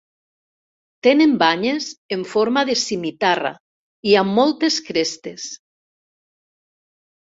Tenen banyes en forma de simitarra i amb moltes crestes.